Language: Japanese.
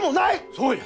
そうや！